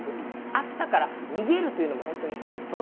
暑さから逃げるというのが特徴です。